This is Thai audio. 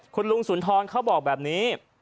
คุณลุงสุนทรเขาบอกแบบนี้